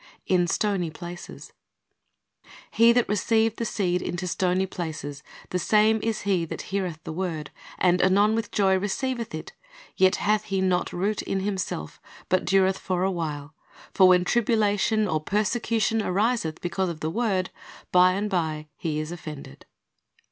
IN STONY PLACES "He that received the seed into stony places, the same is he that heareth the word, and anon with joy receiveth it; yet hath he not root in himself, but dureth for a while; for when tribulation or persecution ariseth because of the word, by and by he is offended."